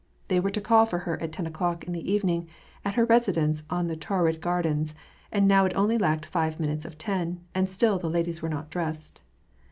They were to call for her at ten o'clock in the evening at her residence on the Taurid Gardens, and now it only lacked five minutes of ten, and still the ladies were not dressed.